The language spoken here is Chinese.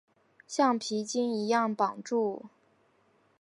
橡皮筋一样绑住